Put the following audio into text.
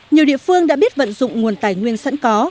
nhiều địa phương đã biết vận dụng nguồn tài nguyên sẵn có